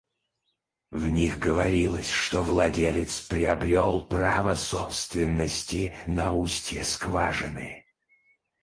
В них говорилось, что владелец приобрел право собственности на устье скважины.